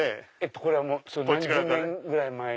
これは何十年ぐらい前に？